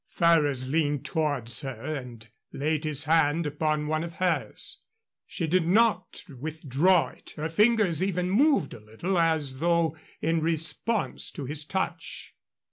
Ferrers leaned towards her and laid his hand upon one of hers. She did not withdraw it her fingers even moved a little as though in response to his touch.